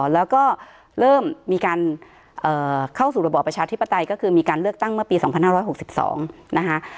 แล้วก็เริ่มมีการเข้าสู่ระบอบประชาธิปไตยก็คือมีการเลือกตั้งเมื่อปี๒๕๖๒นะคะ